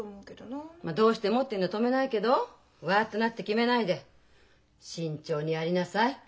どうしてもって言うんなら止めないけどワッとなって決めないで慎重にやりなさい。